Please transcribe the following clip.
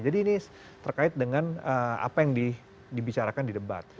jadi ini terkait dengan apa yang dibicarakan di debat